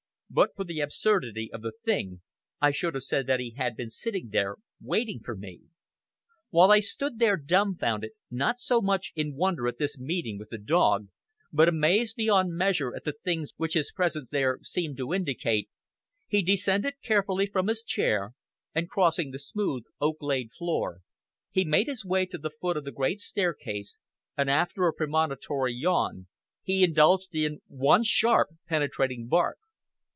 But for the absurdity of the thing, I should have said that he had been sitting there waiting for me. While I stood there dumfounded, not so much in wonder at this meeting with the dog, but amazed beyond measure at the things which his presence there seemed to indicate, he descended carefully from his chair, and crossing the smooth oak laid floor, he made his way to the foot of the great staircase, and after a premonitory yawn, he indulged in one sharp penetrating bark.